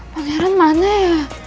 pangeran mana ya